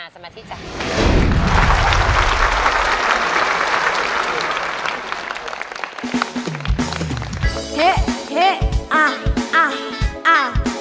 สมาธิจ่ะ